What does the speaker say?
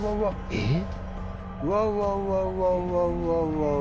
えっ？